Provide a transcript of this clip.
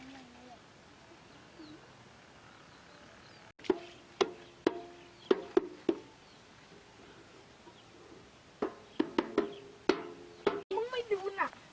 มึงไม่ดูนอ่ะ